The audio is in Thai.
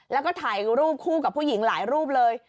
แล้วก็ถ่ายรูปคู่กับผู้หญิงหลายรูปเลย